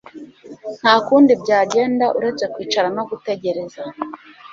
Nta kundi byagenda uretse kwicara no gutegereza